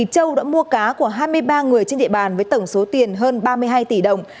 châu đã mua cá của hai mươi ba người trên địa bàn với tổng số tiền hơn ba mươi hai tỷ đồng